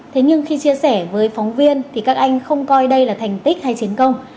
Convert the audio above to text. thế nhưng khi chia sẻ với phóng viên thì các anh không coi đây là thành tích hay chiến công